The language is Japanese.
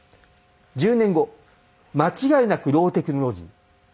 １０年後間違いなくローテクノロジー。